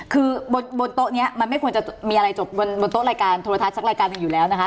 คือบนโต๊ะนี้มันไม่ควรจะมีอะไรจบบนโต๊ะรายการโทรทัศน์สักรายการหนึ่งอยู่แล้วนะคะ